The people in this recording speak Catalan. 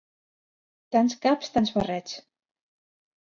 Tants caps tants barrets